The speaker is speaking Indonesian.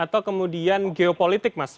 atau kemudian geopolitik mas